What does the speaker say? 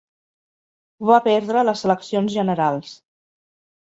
Va perdre les eleccions generals.